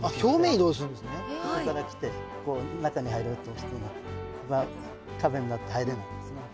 ここから来てこう中に入ろうとしてもここが壁になって入れないんですね。